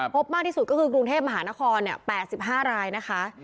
พบมากที่สุดก็คือกรุงเทพมหานคร๘๕รายนะคะ